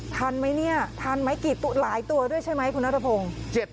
ทันไหมเนี่ยทันไหมกี่หลายตัวด้วยใช่ไหมคุณนัทพงศ์